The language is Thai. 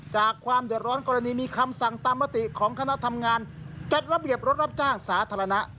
ความเดือดร้อนกรณีมีคำสั่งตามมติของคณะทำงานจัดระเบียบรถรับจ้างสาธารณะ